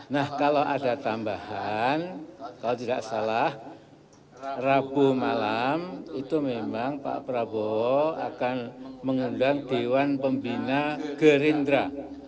nah kalau ada tambahan kalau tidak salah rabu malam itu memang pak prabowo akan mengundang dewan pembina gerindra